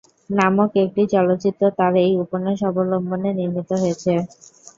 নামক একটি চলচ্চিত্র তার এই উপন্যাস অবলম্বনে নির্মিত হয়েছে।